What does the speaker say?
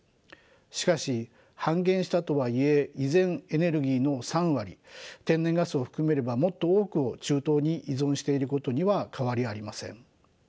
しかし半減したとはいえ依然エネルギーの３割天然ガスを含めればもっと多くを中東に依存していることには変わりありません。